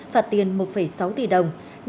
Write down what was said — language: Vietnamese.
phạt tiền một sáu tỷ đồng